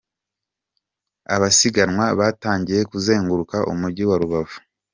H': Abasiganwa batangiye kuzenguruka umujyi wa Rubavu.